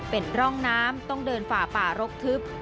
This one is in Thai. เป็นร่องน้ำต้องเดินฝ่าป่ารกทึบ